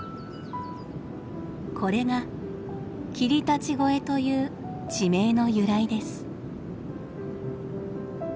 これが「霧立越」という地名の由来です。